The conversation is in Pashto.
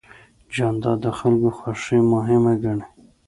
جانداد د خلکو خوښي مهمه ګڼي.